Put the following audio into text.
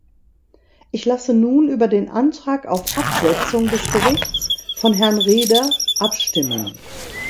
Ich lasse nun über den Antrag auf Absetzung des Berichts von Herrn Rehder abstimmen.